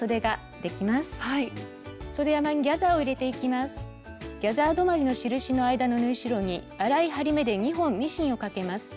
ギャザー止まりの印の間の縫い代に粗い針目で２本ミシンをかけます。